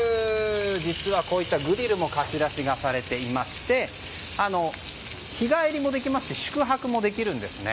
実は、こういったグリルも貸し出しがされていまして日帰りもできますし宿泊もできるんですね。